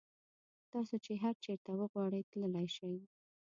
تاسو چې هر چېرته وغواړئ تللی شئ.